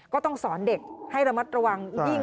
ก็ต้องสอนเด็กให้ระมัดระวังยิ่ง